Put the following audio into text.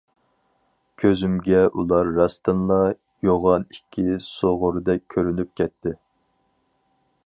كۆزۈمگە ئۇلار راستتىنلا يوغان ئىككى سۇغۇردەك كۆرۈنۈپ كەتتى.